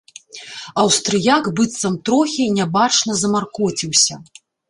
Аўстрыяк быццам трохі, нябачна, замаркоціўся.